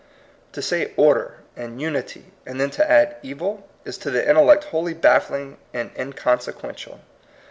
To say "order" and "unity," and then to add "evil," is to the intellect wholly bafiSing and inconsequential.